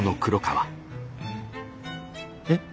えっ？